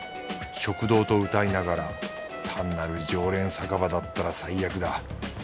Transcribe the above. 食堂と謳いながら単なる常連酒場だったら最悪だ。